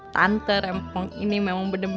tante rempong ini memang bener bener menangis ya